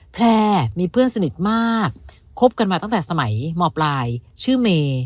แพร่มีเพื่อนสนิทมากคบกันมาตั้งแต่สมัยมปลายชื่อเมย์